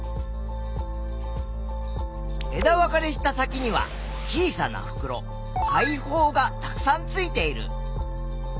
枝分かれした先には小さなふくろ「肺胞」がたくさんついている。